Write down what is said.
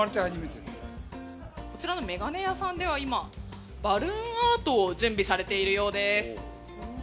こちらの眼鏡屋さんでは、今、バルーンアートを準備されているようです。